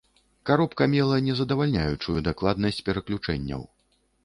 Каробка мела нездавальняючую дакладнасць пераключэнняў.